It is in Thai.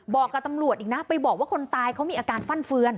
บอกกับตำรวจอีกนะไปบอกว่าคนตายเขามีอาการฟั่นเฟือน